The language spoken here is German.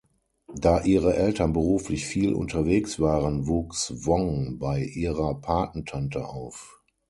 Da ihre Eltern beruflich viel unterwegs waren, wuchs Wong bei ihrer Patentante auf.